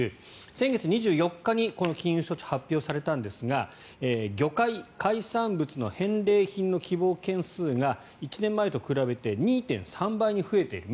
先月２４日にこの禁輸措置が発表されたんですが魚介・海産物の返礼品の希望件数が１年前と比べて２．３倍に増えている。